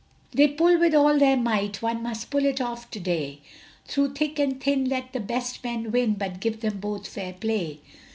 They pull with all their might, One must pull it off to day, Through thick and thin, let the best men win, But give them both fair play.